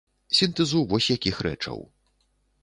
Сінтэзу вось якіх рэчаў.